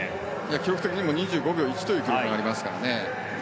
記録的にも２５秒１という記録がありますからね。